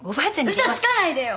嘘つかないでよ。